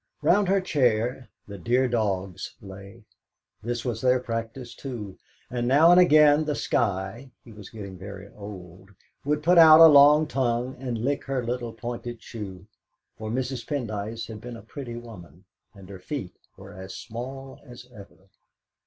Round her chair "the dear dogs" lay this was their practice too, and now and again the Skye (he was getting very old) would put out a long tongue and lick her little pointed shoe. For Mrs. Pendyce had been a pretty woman, and her feet were as small as ever.